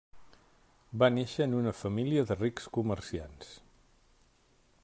Va néixer en una família de rics comerciants.